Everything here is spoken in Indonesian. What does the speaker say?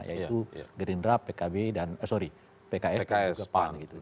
yaitu gerindra pkb dan sorry pks pan gitu